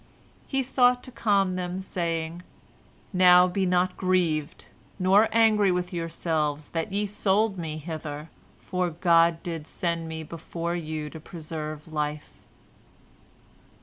He sought to calm them, saying, "Now be not grieved, nor angry with yourselves, that ye sold me hither, for God did send me before you to preserve life."